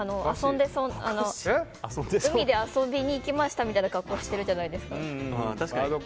海に遊びに来ましたみたいな格好してるじゃないですか。